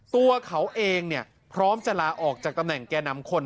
ตัวเขาเองพร้อมจะลาออกจากตำแหน่งแก่นำคน